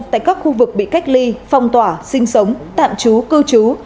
tại các khu vực bị cách ly phong tỏa sinh sống tạm trú cư trú